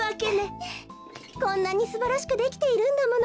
こんなにすばらしくできているんだもの。